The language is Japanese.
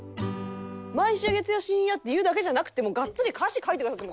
「“毎週月曜深夜”って言うだけじゃなくてがっつり歌詞書いてくださって」